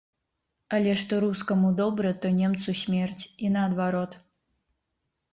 Але што рускаму добра, то немцу смерць, і наадварот.